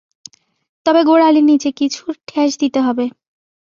তবে গোড়ালির নিচে কিছুর ঠেস দিতে হবে।